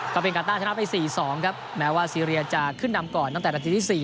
เป็นการต้าชนะไป๔๒ครับแม้ว่าซีเรียจะขึ้นนำก่อนตั้งแต่นาทีที่๔